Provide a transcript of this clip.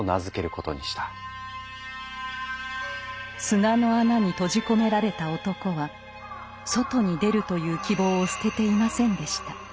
砂の穴に閉じ込められた男は外に出るという希望を捨てていませんでした。